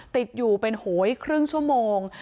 ติดอยู่เป็นโหยครึ่งชั่วโมง